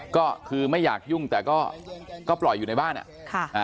ก็คือไม่อยากยุ่งแต่ก็ปล่อยอยู่ในบ้านอ่ะ